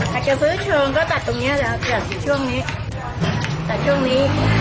อาจจะซื้อเชิงก็ตัดตรงเนี้ยแหละช่วงนี้ตัดช่วงนี้